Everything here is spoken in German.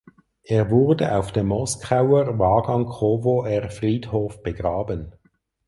Er wurde auf dem Moskauer Wagankowoer Friedhof begraben.